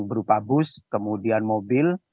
berupa bus kemudian mobil